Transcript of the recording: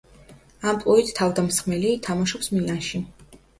ამპლუით თავდამსხმელი, თამაშობს მილანში.